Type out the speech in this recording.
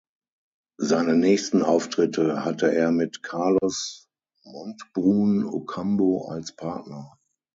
Seine nächsten Auftritte hatte er mit Carlos Montbrun Ocampo als Partner.